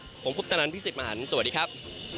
ผมคุณพุทธนันทร์พี่สิทธิ์มหารสวัสดีครับ